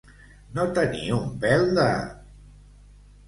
No tenir un pèl de.